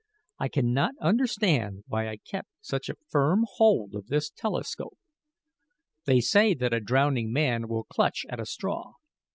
I cannot understand why I kept such a firm hold of this telescope. They say that a drowning man will clutch at a straw.